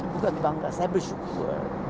bukan bangga saya bersyukur